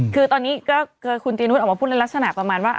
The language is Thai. คือตอนนี้ก็คือคุณตีนุษย์ออกมาพูดในลักษณะประมาณว่า